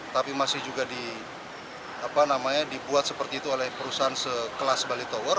tapi masih juga dibuat seperti itu oleh perusahaan sekelas bali tower